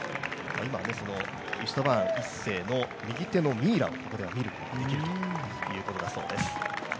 今はそのイシュトヴァーン一世の右手のミイラをここでは見ることができるということです。